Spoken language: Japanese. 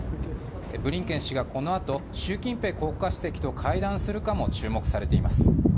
ブリンケン氏がこのあと、習近平国家主席と会談するかも注目されています。